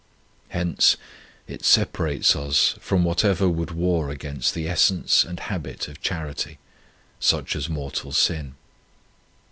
Hence it separates us from what ever would war against the essence and habit of charity, such as mortal sin.